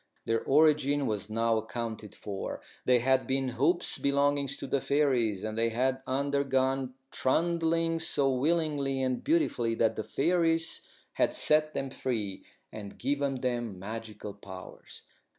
Their origin was now accounted for. They had been hoops belonging to the fairies, and they had undergone trundling so willingly and beautifully that the fairies had set them free and given them magical powers.